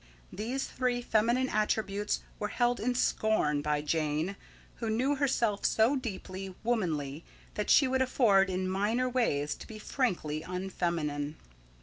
These three feminine attributes were held in scorn by Jane, who knew herself so deeply womanly that she could afford in minor ways to be frankly unfeminine.